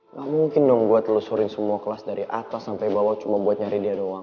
nggak mungkin dong gue telusurin semua kelas dari atas sampai bawah cuma buat nyari dia doang